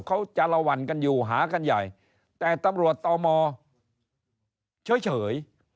เขาจาระหวั่นกันอยู่หากันใหญ่แต่ตำรวจต่อมอเฉย